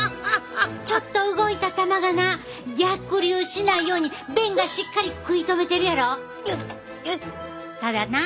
ちょっと動いた球がな逆流しないように弁がしっかり食い止めてるやろ。